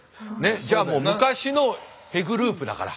じゃあもう昔の戸グループだから。